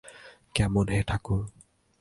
কেমন হে ঠাকুর!